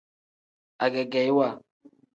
Agegeyiwa.